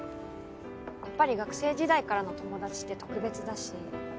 やっぱり学生時代からの友達って特別だし。